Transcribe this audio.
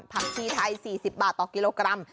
ผักชีไทย๔๐บาทต่อกิโลกรัม